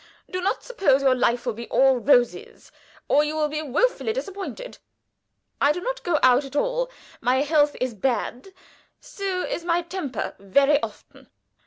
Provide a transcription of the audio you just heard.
"Do not suppose your life will be all roses, or you will be woefully disappointed. I do not go out at all; my health is bad so is my temper very often.